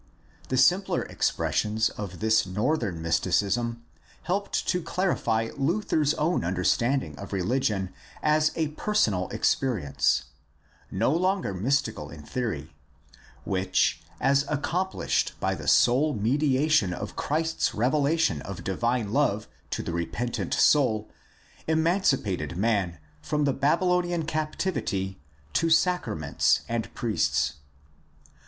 The simpler expressions of this northern mysticism helped to clarify Luther's own understanding of religion as a personal experience — no longer mystical in theory— which, as accomplished by the sole mediation of Christ's revelation of divine love to the repentant soul, emancipated man from the Babylonian captivity to sacra ments and priests.